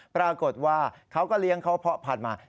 ปรากฏว่าเขาก็เลี้ยงเขาเพาะพันธุ์มา